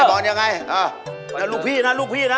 เที่ยวรู้พี่นะ